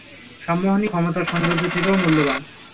সম্মোহনী ক্ষমতা সৌন্দর্য থেকেও মূল্যবান।